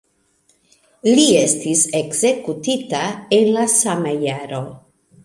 Li estis ekzekutita en la sama jaro.